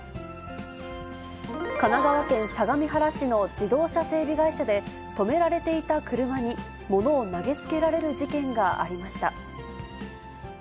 神奈川県相模原市の自動車整備会社で、止められていた車に物を投げつけられる事件がありました。